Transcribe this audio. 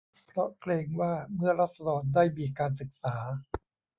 เพราะเกรงว่า เมื่อราษฎรได้มีการศึกษา